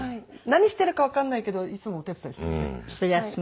何しているかわかんないけどいつもお手伝いしているね。